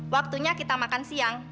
waktunya kita makan siang